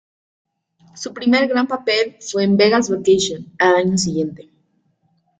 Su primer gran papel fue en "Vegas Vacation", al año siguiente.